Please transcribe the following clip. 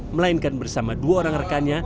melainkan bersama dua orang rekannya